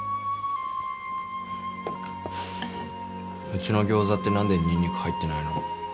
うちのギョーザって何でニンニク入ってないの？